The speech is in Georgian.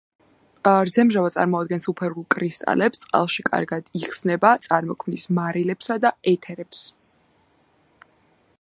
რძემჟავა წარმოადგენს უფერულ კრისტალებს, წყალში კარგად იხსნება, წარმოქმნის მარილებსა და ეთერებს.